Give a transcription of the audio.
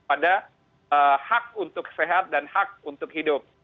pada hak untuk sehat dan hak untuk hidup